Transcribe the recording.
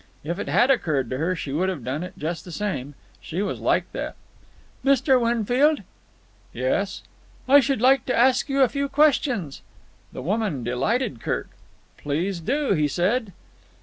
If it had occurred to her, she would have done it just the same. She was like that. "Mr. Winfield?" "Yes?" "I should like to ask you a few questions." This woman delighted Kirk. "Please do," he said.